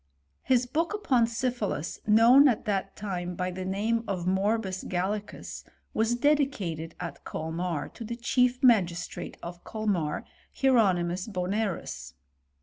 His boolC; upon syphilis, known at that time by the name of Morbus Gallicus, was dedicated at Colmar, to the chie| magistrate of Colmar, Hieronymus Bpnerus.